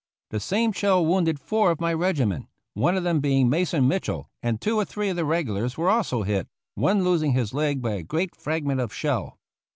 The same shell wounded four of my regiment, one of them being Mason Mitchell, and two or three of the regulars were also hit, one losing his leg by a great fragment of shell.